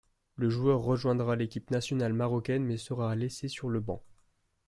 Le joueur rejoindra l'équipe nationale marocaine mais sera laissé sur le banc.